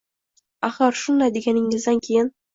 Axir, shunday deganidan keyin